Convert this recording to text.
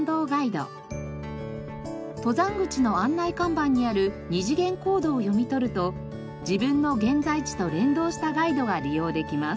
登山口の案内看板にある２次元コードを読み取ると自分の現在地と連動したガイドが利用できます。